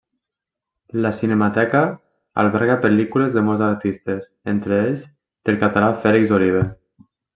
La Cinemateca alberga pel·lícules de molts artistes, entre ells, del català Fèlix Oliver.